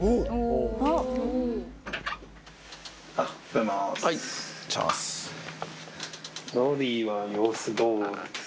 おはようございます。